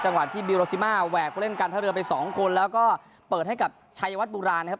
จังหวะที่บิโรซิมาแหวกเล่นการเท้าเรือไป๒คนแล้วก็เปิดให้กับชัยวัฒน์บุราณครับ